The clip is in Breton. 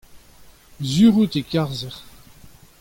sur out e karzec'h.